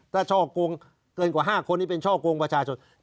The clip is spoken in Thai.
ถ้าช่อกงเกินกว่า๕คนที่เป็นช่อกงประชาชน